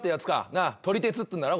なあ撮り鉄っつうんだろ？